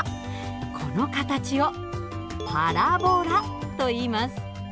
この形をパラボラといいます。